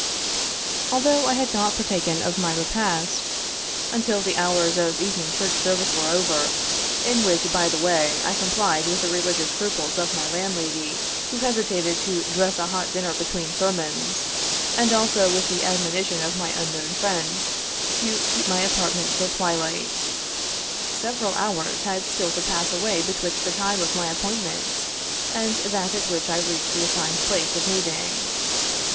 Although I had not partaken of my repast until the hours of evening church service were over, in which, by the way, I complied with the religious scruples of my landlady, who hesitated to dress a hot dinner between sermons, and also with the admonition of my unknown friend, to keep my apartment till twilight, several hours had still to pass away betwixt the time of my appointment and that at which I reached the assigned place of meeting.